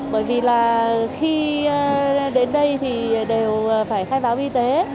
bởi vì là khi đến đây thì đều phải khai báo y tế